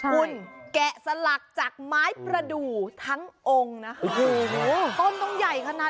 คุณแกะสลักจากไม้ประดุทั้งองค์นะ